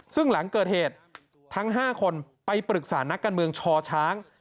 ซึ่งหลังเกิดเหตุทั้ง๕คนไปปรึกษานักการเมืองชอช้าง